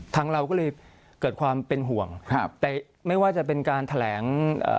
ทางเราก็เลยเกิดความเป็นห่วงแต่ไม่ว่าจะเป็นการแถลง